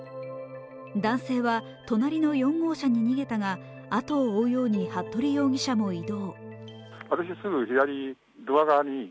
男性は隣の４号車に逃げたが後を追うように服部容疑者も移動。